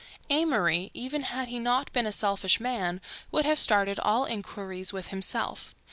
Amory, even had he not been a selfish man, would have started all inquiries with himself.